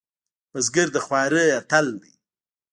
بزګر د خوارۍ اتل دی